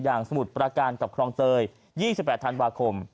อย่างสมุดปราการกับครองเกย์๒๘ธันวาคม